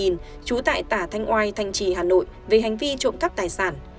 trú tại tả thanh oai thanh trì hà nội về hành vi trộm cắp tài sản